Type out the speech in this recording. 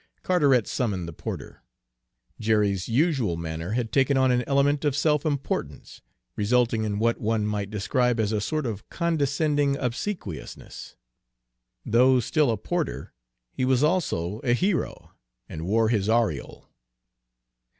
Carteret summoned the porter. Jerry's usual manner had taken on an element of self importance, resulting in what one might describe as a sort of condescending obsequiousness. Though still a porter, he was also a hero, and wore his aureole.